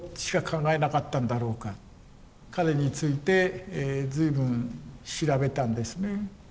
彼について随分調べたんですね。